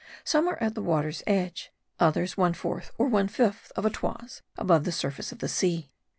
Some are at the water's edge, others one fourth or one fifth of a toise above the surface of the sea.